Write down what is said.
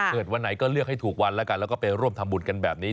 วันไหนก็เลือกให้ถูกวันแล้วกันแล้วก็ไปร่วมทำบุญกันแบบนี้